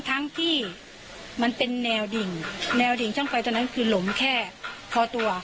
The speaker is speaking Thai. ทั้งที่มันเป็นแนวดิ่งแนวดิ่งช่องไฟตอนนั้นคือหลงแค่พอตัว